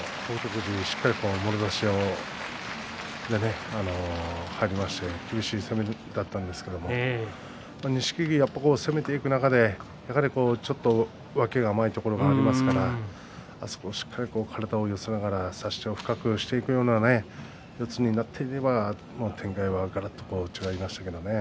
富士、しっかりもろ差しで入りまして厳しい攻めだったんですけど錦木、やっぱり攻めていく中で脇が甘いところがありますからあそこをしっかり体を寄せながら差し手を深くしていくような四つになっていれば展開はがらっと違いましたけどね。